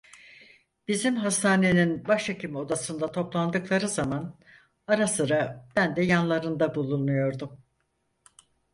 Bizim hastanenin başhekim odasına toplandıkları zaman ara sıra ben de yanlarında bulunuyordum.